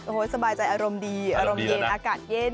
โอ้โหสบายใจอารมณ์ดีอารมณ์เย็นอากาศเย็น